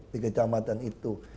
di kecamatan itu